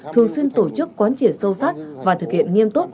thường xuyên tổ chức quán triển sâu sắc và thực hiện nghiêm túc